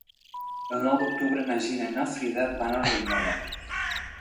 El nou d'octubre na Gina i na Frida van a Linyola.